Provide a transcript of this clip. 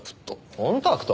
コンタクト？